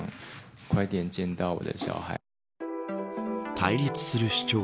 対立する主張。